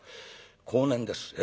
後年です。